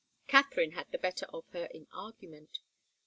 Katharine had the better of her in argument.